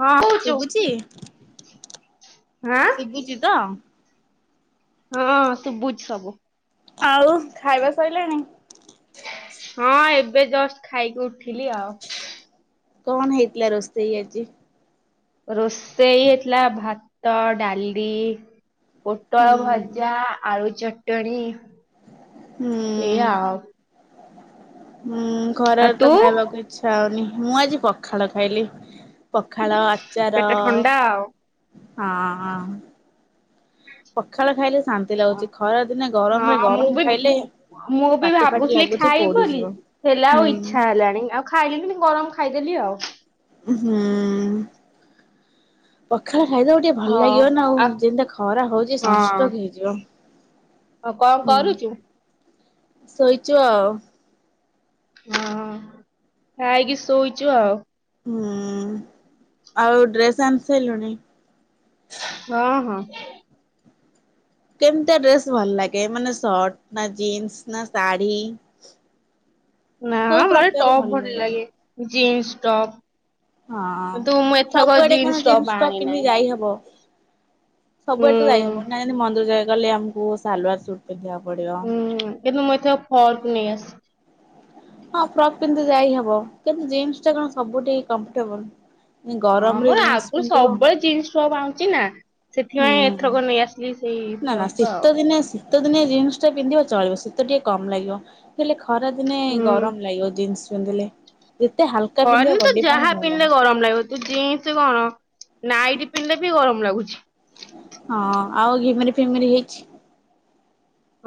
ହଁ ହଉଛୁ ଶୁଭୁଚି ହଁ ଶୁବୁଚି ତ? ହଁ ସୁୁବୁଚି ସବୁ। ଆଉ ଖାଇବା ସଇଲାଣି? ହଁ ଏବେ ଜଷ୍ଟ ଖାଇକି ଉଠିଲି ଆଉ। କଣ ହେଇଥିଲା ରୋଷେଇ ଆଜି? ରୋଷେଇ ହେଇଥିଲା ଭାତ ଡାଲି ପୋ ହୁଁ ପୋଟଳ ଭଜା ଆଳୁ ଚଟଣି ହୁଁ ଏଇଆ ଆଉ। ହୁଁ ଖରାରେ ଆଉ ତୁ? ତ ଖାଇବାକୁ ଛାଉନି ମୁଁ ଆଜି ପଖାଳ ଖାଇଲି ପଖାଳ ଆଚାର ପେଟ ଥଣ୍ଡା ଆଉ ହଁ। ପଖାଳ ଖାଇଲେ ଶାନ୍ ନ୍ତି ଲାଗୁଛି ଖରା ଦିନେ ଗରମରେ ହଁ ମୁଁ ଗରମ ବି ଖାଇଲେ ପାଟି ଫାଟି ଲାଗୁଛି ପୋଡ଼ି ଯିବ। ହେଲା ଆଉ ଇଚ୍ଛା ହେଲାଣି ଆଉ ଖାଇଲିନି ମୁଁ ଗରମ ଖାଇଦେଲି ଆଉ। ହୁଁ। ପଖାଳ ଖାଇଦବ ଟିକେ ଭଲ ଲାଗିବ ନା ଆଉ ଯେମିତିଆ ଖରା ହଉଛି ହଁ ସନଷ୍ଟୋକ ହେଇଯିବ। [inaudible] ଆଉ କଣ କରୁଚୁ? ଶୋଇଚୁ ଆଉ। ହଁ ଖାଇକି ଶୋଇଚୁ ଆଉ। ହୁଁ ଆଉ ଏ ଡ୍ରେସ୍ ଆଣିସାଇଲୁଣି? ହଁ ହଁ। କେମିତିଆ ଡେସ୍ ଭଲ ଲାଗେ ମାନେ ସଟ୍ ନା ଜିନ୍ସ ନା ଶାଢ଼ୀ? [inaudible] ନା ମତେ ଟପ୍ ଭଲ ଲାଗେ ଜିନ୍ସ ଟପ୍। କିନ୍ତୁ ହଁ ମୁଁ ଏଥରକ ଜିନ୍ସ ଟପ ଆଣି ନାଇଁ। ଇ ହବ। ସବୁଆଡ଼େ ତ ଯାଇ ହବନି ନାଇଁ ଆମେ ମନ୍ଦିର ଯାଇ ଗଲେ ଆମକୁ ସାଲୱାର ସୁଟ୍ ପିନ୍ଧିବାକୁ ପଡ଼ିବ। ହୁଁ କିନ୍ତୁ ମୁଁ ଏଇଥର ଫର୍କ୍‌ ନେଇ ଆସିଛି। ହଁ ଫ୍ରକ୍ ପିନ୍ଧି ଯାଇ ହବ କିନ୍ତୁ ଜିନ୍ସ ଟା କଣ ସବୁ ଠିକି କମ୍ଫର୍ଟେବଲ? ଗରମ ରେ ଜିନ୍ସ ପିନ୍ଧିବ ଜିନନ୍ସ ଟପ ଆଣୁଛି ନା ସେଥିପାଇଁ ହୁଁ। ଏଥରକ ନେଇ ଆସିଲି ସେଇ ନା ନା ଫ୍ରକ୍‌ ଶୀତ ଆଉ ଦିନେ ଶୀତ ଦିନେ ଜିନ୍ସ ଟା ପିନ୍ଧିବ ଚଳିବ ଶୀତେ ଟିକେ କମ୍ ଲାଗିବ। ହେଲେ ଖରା ଦିନେ ହୁଁ ଗରମ ଲାଗିବ ଜିନନ୍ସ ପିନ୍ଧିଲେ ଯେତେ ହାଲକା ପିନ୍ଧିବ ଘରେ ତ ବଡି ପାଇଁ ଯାହା ଭଲ। ପିନ୍ଧିଲେ ଗରମ ଲାଗିବ। ତ ଜିନ୍ସ କଣ ନାଇଟି ପିନ୍ଧିଲେ ବି ଗରମ ଲାଗୁଛି ହଁ ଆଉ ଘିମିରି ଫିମିରି ହେଇଛି।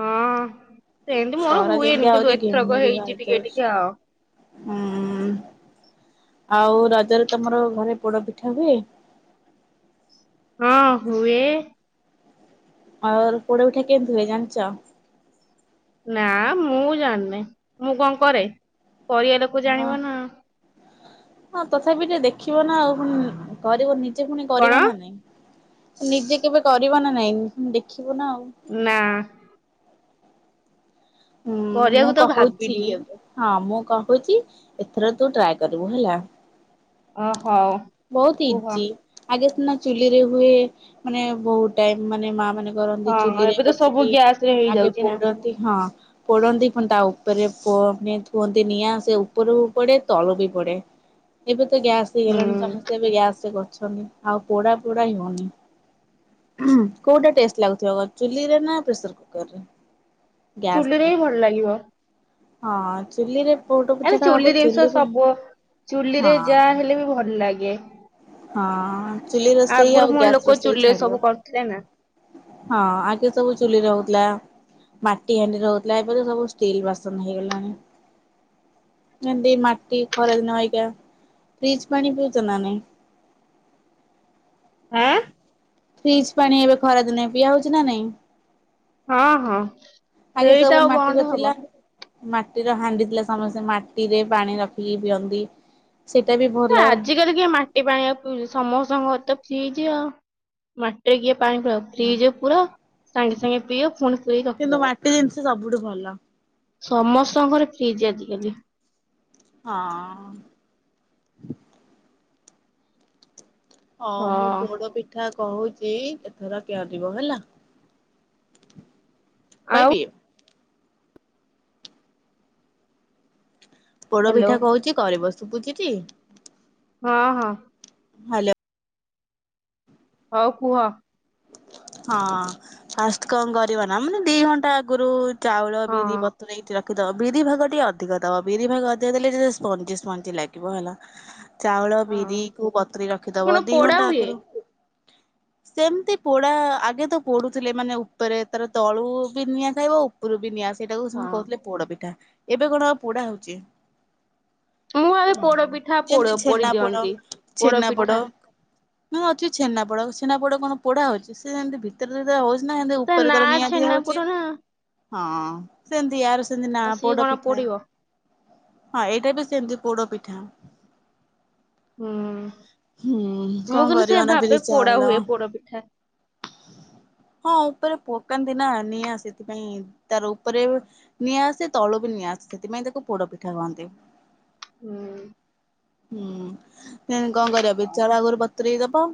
ହଁ ସେମିତି ମୋର ଖରା ହୁଏନି ଯେମିତିଆ କିନ୍ତୁ ହଉଛି ଏଥରକ ଘିମିରି ବାହାରି ହେଇଛି ଟିକେ ଯାଉଛି। ଟିକେ ଆଉ ହୁଁ ଆଉ ରଜରେ ତମର ଘରେ ପୋଡ ପିଠା ହୁଏ ହଁ ହୁଏ। ଆଉ ପୋଡ଼ପିଠା କେମିତି ହୁଏ ଯାଣିଛ। ନା ମୁଁ ଜାଣି ନାଇ ମୁଁ କଣ କରେ କରିବା ଲୋକ ହଁ ଜାଣିବ ନା। ହଁ ତଥାପି ଟିକେ ଦେଖିବ ନା ଆଉ କରିବ ନିଜେ ପୁଣି କଣ କରିବ ନା ନାଇଁ। ନିଜେ କେବେ କର ନା ନାଇଁ ଦେଖିବୁ ନା ଆଉ। ନା। ହଁ, ମୁଁ କରିବାକୁ ତ କହୁଛି ଭାବିନି କେବେ। ହଁ ମୁଁ କହୁଛି ଏଥର ତୁ ଟ୍ରାଏ କରିବୁ ହେଲା। ଓହୋଉ। ବହୁତ ଇଜି। ଆଗେ ସିନା ଚୁଲିରେ ହୁଏ। ମାନେ ବହୁତ ଟାଇମ ମାନେ ମା ମାନେ କରନ୍ତି, ହଁ ଚୁଲି ରେ ଏବେ ତ ସବୁ ବସିକି। ଗ୍ୟାସ ରେ ଆଗେ ହେଇଯାଉଛି ନା। ପୋଡନ୍ତି। ହଁ। ପୋଡ଼ନ୍ତି ପୁଣି ତା ଉପରେ ପ ଥୁଅନ୍ତି ନିଆଁ। ସେ ଉପରକୁ ପଡ଼େ ତଳେ ବି ପଡ଼େ। ଗ୍ୟାସ୍ ହେଇଗଲାଣି। ହୁଁ ସମସ୍ତେ ଏବେ ଗ୍ୟାସ କରୁଛନ୍ତି। ଆଉ ପୋଡା, ପୋଡା ହେଉନି। କୋଉଟା ଟେଷ୍ଟ ଲାଗୁଥିବ ଚୁଲି ରେ ନା ପ୍ରେସର କୁକର ରେ। ଚୁଲିରେ ହିଁ ଭଲ ଲାଗିବ। ହଁ ଚୁଲିରେ ପୋଡ ଏ ପିଠା ଟା ହବ ଚୁଲି ଜିନିଷ ଚୁଲିରେ ସବୁ। ଚୁଲି ହଁ ରେ ଯାହା ହେଲେ ବି ଭଲ। ଭଲ ଲାଗେ। ହଁ, ଚୁଲି ରୋଷେଇ ଆଗରୁ ଆଉ ପୁଣି ଗ୍ୟାସ ଲୋକ ରୋଷେଇ ଚୁଲିରେ ସବୁ ଛାଡିବ। କରୁଥିଲେ ନା [unintelligible] ହଁ, ଆଗେ ସବୁ ଚୁଲିରେ ହୋଉଥିଲା। ମାଟି ହାଣ୍ଡି ହୋଉଥିଲା। ଏବେ ସବୁ ଷ୍ଟିଲ ବାସନ ହେଇଗଲାଣି। ଏତି ମାଟି ଖରା ଦିନ ଆଇଗା। ଫ୍ରିଜ ପାଣି ପିଉଛ ନାଁ? ଆଁ। ଫ୍ରିଜ୍ ପାଣି ଏବେ ଖରାଦିନେ ପିଆ ହଉଛି ନା ନାଇଁ? ହଁ, ହଁ ଆଗେ ସବୁ ସେଇଟା ଆଉ ମାଟିର ବନ୍ଦ ଥିଲା। ହବ। ମାଟିର ହାଣ୍ଡି ଥିଲା। ସମସ୍ତେ ମାଟିରେ ପାଣି ରଖିକି ପିଅନ୍ତି। ସେଇଟା ବି ନା ଭଲ। ଆଜିକାଲି କି ମାଟି ପାଣି ଆଉ ପିଉଛି? ସମସ୍ତଙ୍କର ତ ଫ୍ରିଜ ଆଉ। ମାଟରେ କିଏ ପାଣି ପିଉଛି? ଫ୍ରିଜରେ ପୁରା। ସାଙ୍ଗେ, ସାଙ୍ଗେ ପିଅ ପୁଣି ଦେଇ କିନ୍ତୁ ରଖିଦବ। ମାଟି ଜିନିଷ ସବୁଠୁ ଭଲ ସମସ୍ତଙ୍କର ଫ୍ରିଜ ଆଜିକାଲି। ହଁ। ହଁ, ମୁଁ ପୋଡ ପିଠା କହୁଛି। ଏଥର [unintelligible] କେଏିବ ହେଲା। ଆଉ କହିବି? ପୋଡ ହ୍ୟାଲୋ ପିଠା କହୁଛି କରିବ? ଶୁଭୁଚି? ହଁ, ହଁ। ହ୍ୟାଲୋ। ହଁ କୁହ। ହଁ ଫାଷ୍ଟ କଣ କରିବ ନା, ମାନେ ଦି ଘଣ୍ଟା ଆଗରୁ ଚାଉଳ, ହଁ ବିରି ବତୁରେଇକି ରଖ ଦ ବିରି ଭାଗ ଟିକେ ଅଧିକ ଦବ। ବିରି ଭାଗ ଅଧିକ ଦେଲେ, ଯଦି ସ୍ପଞ୍ଜି ସ୍ପଞ୍ଜି ଲାଗିବ ହେଲା। ଚାଉଳ, ହଁ ବିରି କୁ ବତୁରେଇ ସେ ରଖିଦବ କଣ ଦି ପୋଡା ଘଣ୍ଟା ହୁଏ ଆଗରୁ। ସେମତି ପୋ ପୁରା ଆଗେ ତ ପଢୁଥିଲେ, ମାନେ ଉପରେ ତାର ତଳୁ ବି ନିଆଁ ଖାଇବ ଉ ଉପରୁବ ନିଆଁ ସେଇଟାକୁ ସେମାନେ ହଁ କହୁଥିଲେ ପୋଡ ପିଠା। ଏବେ କଣ ଆଉ ପୋଡା ହଉଛି? ମୁଁ ଭାବେ ହଁ, ପୋଡ ପିଠା ଯେମିତି ପୋଡ ପୋଡି ଛେନା ପୋଡ, ଦିଅନ୍ତି। ଛେନା ପୋଡ। ପିଠା ନା ଅଛି ଛେନା ପୋଡ, ଛେନାପୋଡ କଣ ପୋଡା ହଉଛି? ସେମିତି ଭିତରେ, ଭିତରେ ହଉଛି ନା ହେମତି ଉ ତା ଉପରେ ତାର ନାଁ ନିଆଁ ଦିଆ ଛେନା ପୋଡ ହଉଛି। ନା ହଁ, ସେମିତି ଆରୁ ସେମତି ନା ଆଉ ସିଏ ପୋଡ କଣ ପିଠା। ପୋଡିବ ହଁ, ଏଇଟା ବି ସେମିତି ପୋଡ ପିଠା। ହୁଁ ହୁଁ। କଣ କରିବ ନା ବିରି, ଚାଉଳ ପୋଡ଼ ପିଠା। ହଁ, ଉପରେ ପକାନ୍ତି ନା ନିଆଁ ସେଥିପାଇଁ, ତାର ଉପରେ ନିଆଁ ଆସେ। ତଳୁ ବି ନିଆଁ ଆସେ। ସେଥିପାଇଁ, ତାକୁ ପୋଡ ପିଠା କୁହନ୍ତି। ହୁଁ। ହୁଁ [unintelligible] କଣ କରିବ ବିରି, ଚାଉଳ ଆଗରୁ ବତୁରେଇ ଦବ।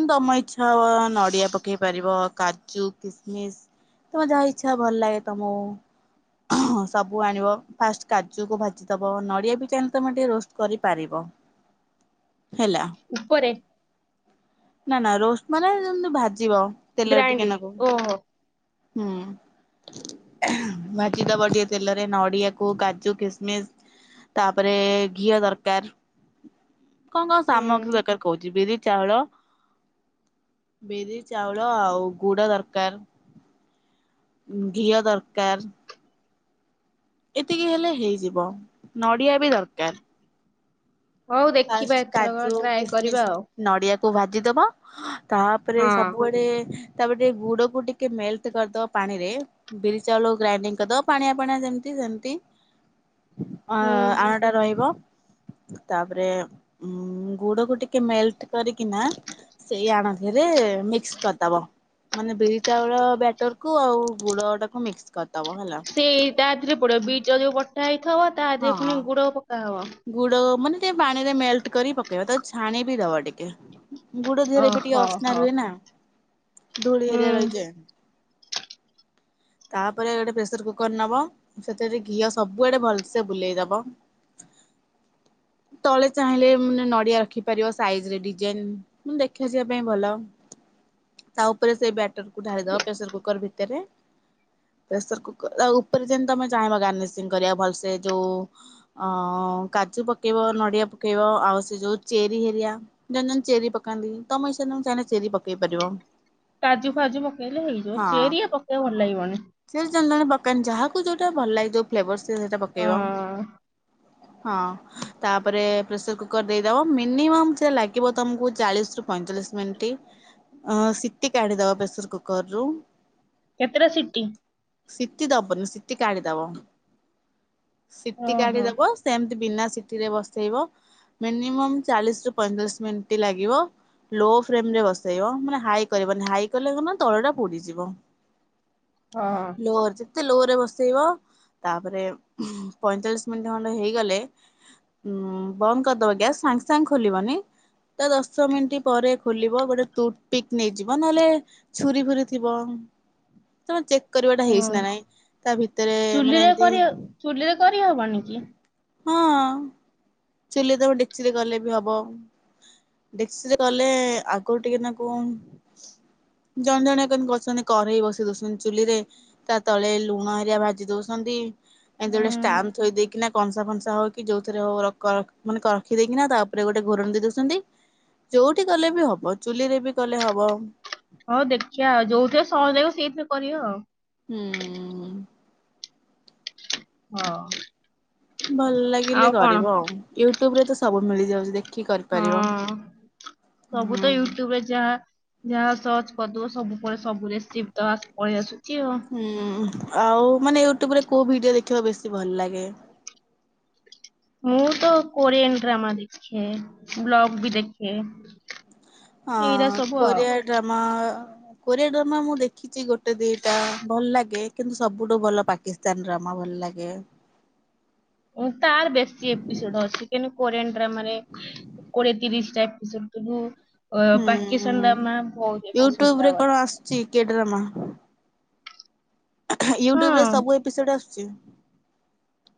ଉଁ ତମ ଇଚ୍ଛା ଅ ନଡିଆ ପକେଇ ପାରିବ। କାଜୁ, କିସମିସ ତମ ଯାହା ଇଚ୍ଛା ଭଲ ଲାଗେ ତମ ହଁ ସବୁ ଆଣିବ। ଫାଷ୍ଟ କାଜୁକୁ ଭାଜିଦେବ। ନଡ଼ିଆ ବି ଚାହିଁଲେ ତୁମେ ଟିକେ ରୋଷ୍ଟ କରିପାରିବ। ହେଲା। ଉପରେ। ନା ନା ରୋଷ୍ଟ ମାନେ ଯେମତି ଭାଜିବ ତେଲରେ ଟିକେ ଗ୍ରାଇଣ୍ଡିଙ୍ଗ ନେବ। ଓହୋ ହୁଁ। ଭାଜିଦେବ ଟିକେ ତେଲରେ ନଡିଆକୁ କାଜୁ କିସମିସ। ତାପରେ ଘିଅ ଦରକାର। କଣ କଣ ହୁଁ ସାମଗ୍ରୀ ଦରକାର କହୁଛି ବିରି ଚାଉଳ ବିରି, ଚାଉଳ, ଆଉ ଗୁଡ ଦରକାର। ଘିଅ ଦରକାର। ଏତିକି ହେଲେ ହେଇଯିବ। ନଡିଆ ବି ଦରକାର। ହଉ ଦେଖିବା ଫାଷ୍ଟ ଏଥରକ କାଜୁ, ଟ୍ରାଏ କରିବା କିସ୍ମିସ୍ ଆଉ। ନଡିଆକୁୁ ଭାଜିଦବ ତାପରେ ହଁ। ସବୁଆଡେ ତାପରେ ଟିକେ ଗୁଡ କୁ ଟିକେ ମେଲ୍ଟ କରିଦବ ପାଣି ରେ। ବିରି ଚାଉଳ କୁ ଗ୍ରାଇଡିଙ୍ଗ କରିଦବ ପାଣିଆ ପାଣିଆ ଯେମିତି ସେମିତି। ଅ ହୁଁ। ଆଣଟା ରହିବ ତା ତାପରେ ଉ ଗୁଡ କୁ ଟିକେ ମେଲ୍ଟ କରିକିନା ସେଇ ଆଣ ଦିହରେ ମିକ୍ସ କରିଦବ। ମାନେ ବିରି ଚାଉଳ ବ୍ୟାଟର କୁ ଆଉ ଗୁଡ ଟାକୁ ମିକ୍ସ କରିଦବ ହେଲା। ସେଇ ତା ଦେହରେ ପଡିବ ବୀଚାଉଲ ଯୋଉ ବଟା ହେଇଥିବ ତା ଦେହରେ ହଁ ପୁଣି ଗୁଡ଼ ପକାହବ। ଗୁଡ ମାନେ ଟିକେ ପାଣିରେ ମେଲ୍ଟ କରି ପକେଇବ ତାକୁ ଛାଣିି ବି ଦବ ଟିକେ। ଗୁଡ ଦେହରେ ବି ଟିକେ ଓହୋ ଅସ୍ନା ହୋ। ରୁହେ ନା ଧୂଳି ହେରିଆ ହୁଁ ରହିଯାଏ। ତାପରେ ଗୋଟେ ପ୍ରେସର କୁକର ନବ, ସେଥିରେ ଘିଅ ସବୁଆଡେ ଭଲସେ ବୁଲେଇଦବ। ତଳେ ଚାହିଁଲେ ଉଁ ନଡିଆ ରଖିପାରିବ ସାଇଜ ରେ ଡିଜାଇନ ମୁଁ ଦେଖିଆ ଯିବା ପାଇଁ ଭଲ ତା ଉପରେ ସେଇ ବ୍ୟାଟ ଟର କୁ ଢାଳିଦବ ପ୍ରେସର କୁକର ଭିତରେ। ପ୍ରେସର କୁକର ଆଉ ଉପରେ ଯେମିତି ତମେ ଚାହିଁବ ଗାର୍ନିସିଂ କରିବା ଭଲସେ ଯୋଉ ଅ କାଜୁ ପକେଇବ ନଡ଼ିଆ ପକେଇବ ଆଉ ସେ ଯୋଉ ଚେରି ହେରିଆ ଜଣେ ଜଣେ ଚେରି ପକାନ୍ତି ତମେ ଇସ ତମେ ଚାହିଁଲେ ଚେରି ପକେଇ ପାରିବ। କାଜୁ ଫାଜୁ ପକେଇଲେ ହେଇଯିବ ହଁ ଚେରିଆ ପକେଇବ ଭଲ ଲାଗିବନି। ସେ ଜନ ଜଣେ ପକାନ୍ତି ଯାହାକୁ ଯୋଉଟା ଭଲ ଲାଗେ ଫ୍ଲେଭର ସେ ସେଇଟା ପକେଇବ। ହଁ। ହଁ। ତାପରେ ପ୍ରେସର କୁକର ଦେଇଦବ ମିନିମମ୍ ସେ ଲାଗିବ ତମକୁ ଚାଳିଶ ରୁ ପଇଁଚାଳିଶ ମିନିଟ୍। ଅ ସିଟି କାଢିଦବ ପ୍ରେସର କୁକର ରୁ। କେତେଟା ସିଟି? ସିଟି ଦବନି ସିଟି କାଢିଦବ ସିଟି ଓହୋ ଅ ସେମତି ବିନା ସିଟି ରେ ବସେଇବ। ମିନିମମ୍ ଚାଳିଶ ରୁ ପଇଁଚାଳିଶ ମିନଟି ଲାଗିବ। ଲୋ ଫ୍ରେମ୍ ରେ ବସେଇବ ମାନେ ହାଇ କରିବନି ହାଇ କଲେ କଣ ନା ତଳ ଟା ପୋଡିଯିବ। [inaudible] ହଁ। ଯେତେ ଲୋରେ ବସେଇବ ତାପରେ ପଇଚାଳିଶ ମିନିଟ୍ ଖଣ୍ଡେ ହେଇଗଲେ ଉୁଁ ବନ୍ଦ କରିଦବ ଗ୍ୟାସ୍ ସାଙ୍ଗେ ସାଙ୍ଗେ ଖୋଲିବନି। ତା ଦଶ ମିନିଟ ପରେ ଖୋଲିବ ଗୋଟେ ଟୁଥ ପିକ୍ ନେଇଯିବ ନହେଲେ ଛୁରୀ ଫୁରି ଥିବ। ତମର ଚେକ୍ କରିବ ଏଟା ହୁଁ ହେଇଛି ନା ନାଇଁ ତା ଭିତରେ ମାନେ ଚୁଲିରେ ଏମିତି କରି ଚୁଲିରେ କରିହବନି କି? ହଁ ଚୁଲି ତ ଡେକ୍ଚିରେ କଲେ ବି ହବ। ଡେକ୍ଚିରେ କଲେ ଆଗରୁ ଟିକେ ନାକୁ ଜଣେ ଜଣେ ଆ କେମତି କରୁଛନ୍ତି କରେଇ ବସି ଦଉଛନ୍ତି ଚୁଲି ରେ ତା ତଳେ ଲୁଣ ହେରିଆ ଭାଜି ଦଉସନ୍ତି। ଏମତି ଗୋଟେ ହୁଁ। ଷ୍ଟାମ୍ପ ଥଇ ଦେଇକି ନା କଂସା ଫନସା ହଉ କି ଯୋଉଥିରେ ହଉ ର କକ୍ ମାନେ କରଖି ଦେଇକିନା ତାପରେ ଗୋଟେ ଘୋରଣୀ ଦେଇ ଦଉଛନ୍ତି। ଯୋଉଠି କଲେ ବି ହବ ଚୁଲି ରେ ବି କଲେ ହବ। ହଉ ଦେଖିବାଆଉ ଯୋଉଥି ସହଜ ଲାଗିବ ସେଇଥିରେ କରିବା ଆଉ। ହଁ। ହଁ। ଭଲ ଲାଗିଲେ ଆଉ କଣ କରିବ ଆଉ ୟୁଟ୍ୟୁବ ରେ ତ ସବୁ ମିଳିଯାଉଛି ଦେଖ ହଁ ସବୁ ତ ହୁଁ ୟୁଟ୍ୟୁବ ରେ ଯାହା ଯାହା ସର୍ଚ କରିଦବ ସବୁ ପରେ ସବୁରେସିପି ତ ପଳେଇ ଆସୁଛି ଆଉ। ହୁଁ ଆଉ ମାନେ ୟୁଟ୍ୟୁବ ରେ କୋଉ ଭିଡିଓ ଦେଖିବା ବେଶୀ ଭଲ ଲାଗେ? ମୁଁ ତ କୋରିଆନ ଡ୍ରାମା ଦେଖେ ବ୍ଲଗ ବି ଦେଖେ। ହଁ ଏଇରା ସବୁ ଆଉ କୋରିଆ ଡ୍ରାମା କୋରିଆଡ୍ରାମା ମୁଁ ଦେଖିଛି ଗୋଟେ ଦିଟା ଭଲ ଲାଗେ କିନ୍ତୁ ସବୁଠୁ ଭଲ ପାକ କିସ୍ତାନ ଡ୍ରାମା ଭଲ ଲାଗେ। ଅମ୍ ତାର ବେଶୀ ଏପିସୋଡ ଅଛି କେନୁ କୋରିଆନ ଡ୍ରାମାରେ କୋଡ଼ିଏ ତିରିଶଟା ଏପିସୋଟ ରୁ ଓ ହୁଁ ପାକିସାନା ଡାମା ବହୁଦେଖୁ ସଦାବେଳେ। ଚି କେଡ୍ରାମା ୟୁଟ୍ୟୁବ ରେ ହଁ ସବୁ ଏପିସୋଡ ଆସୁଛି।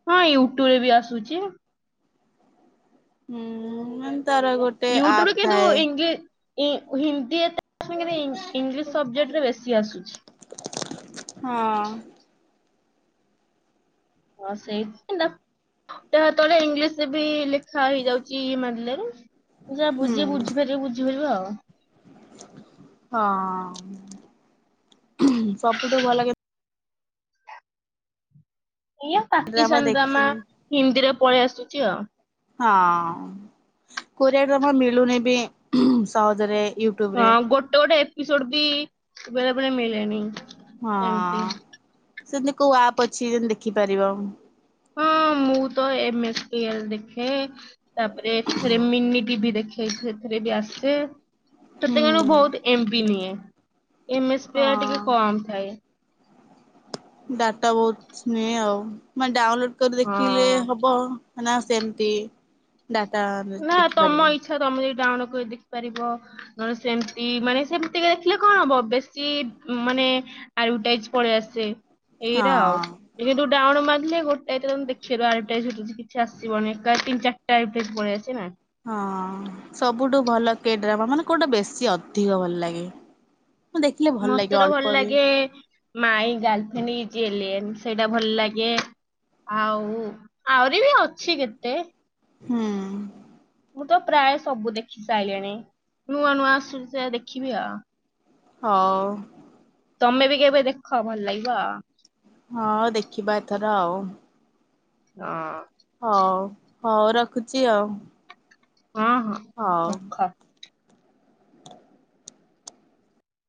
ହଁ ୟୁଟ୍ୟୁବ ରେ ବି ଆସୁଛି। ହୁଁ ମାନେ ତାର ଗୋ ୟଟ୍ୟୁବରେ କିନ୍ତୁ ଇଙ୍ଗୀ ଇ ହିନ୍ଦୀ ଏତେସାଙ୍ଗରେ ଇଂଲିଶ ସବଜେକ୍ଟ ରେ ବେଶୀ ଆସୁଛି। ହଁ। ହଁ ସେଇଠୀ ନ୍। ଦେଖ ତଳେ ଇଂଲିଶରେ ବି ଲେଖା ହେଇଯାଉଛି ମାର୍ଲେ ରେ। ଯା ହୁଁ ବୁଝି ବୁଝିପାରିବି ବୁଝିପାରିବ ଆଉ। ହଁ ସବୁଠୁ ଭଲ କେ ଏଇ ପାକିସ୍ତାନ ଡ୍ରାମା ହିନ୍ଦୀରେ ପଳେଇ ଆସୁଛି ଆଉ। ହଁ କୋରିଆର ହଁ ମିଳୁନି ବି ସହଜରେ ୟୁ ହଁ ଗୋଟେ ଗୋଟେ ଏପିସୋଡ ବି ବେଳେବେଳେ ମିଳେନି। ହଁ ଏମିତି ସେମତି କୋଉ ଆପ୍ ଅଛି ଯେମତି ଦେଖିପାରିବ। ହଁ ମୁଁ ତ ଏମ୍ ଏସ ଏଲଦେଖେ ତାପରେ ଏଥିରେ ମିନି ଟିଭି ଦେଖେ। ହେଇ ସେଥିରେ ବି ଆସେ ହୁଁ ସେତେବେଳେ ବହୁତ୍ ଏମବିି ନିଏ ଏମ ଏସ୍ ହଁ। ପ୍ଲେୟାର ଟିକେ କମ୍ ଥାଏ। ଡାଟା ବହୁତ୍ ନିଏ ଆଉ ମାନେ ଡାଉନଲୋଡ କରି ଦେଖିଲେ ହଁ। ହବ। ନା ସେମିତି ଡାଟା ଦେଖିପାରିବୁ। ଥରେ ତମେ ମି ଡାଉଲୋଡ କରି ଦେଖିପାରିବ। ନହେଲେ ସେମିତି ମାନେ ସେମିତିି ଦେଖିଲେ କଣ ହବ ବେଶୀ ମାନେ ଆୟୁଟାଇଜି ପଳେଇ ଆସେ ଏଇରା ଆଉ। ହଁ। ଏ ଯୋଉ ଡାଉନୁ ମାଗିଲେ ଗୋଟା ଏତର ଦେଖେଇ ଦବା ଆଇଟାସିଟିଯି କିଛି ଆସିବନି ଏକା ତିନି ଚାରିଟା ଇଫେକ୍ଟ ପଳେଇ ଆସି ଚିନା। ହଁ ସବୁଠୁ ଭଲ କେ ଡ୍ରାମା ମାନେ କୋଉଟା ବେଶୀ ଅଧିକ ଭଲ ଲାଗେ। ମୁଁ ଦେଖିଲେ ଭଲ ଲାଗେ ମତେ ତ ଅଳ୍ପ ଭଲ ବି ଲାଗେ ମାଇ ଗାର୍ଲଫ୍ରେଣ୍ଡଇଜ ଏଲିଏନ ସେଇଟା ଭଲ ଲାଗେ। ଆଉ ଆହୁରି ବି ଅଛି କେତେ। ହୁଁ। ମୁଁ ତ ପ୍ରାୟ ସବୁ ଦେଖି ସାଇଲିଣି ନୂଆ ନୂଆ ଆସୁଛିି ସେରା ଦେଖିବି ଆଉ। ହଉ। ତମେ ବି କେବେ ଦେଖ ଭଲ ଲାଗିବ ଆଉ। ହଁ ଦେଖିବା ଏଥର ଆଉ। ଅଁ। ହଉ ହଉ ରଖୁଛି ଆଉ। ହଁ ହଁ। ହଉ। ରଖ।